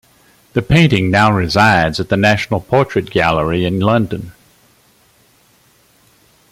The painting now resides at the National Portrait Gallery in London.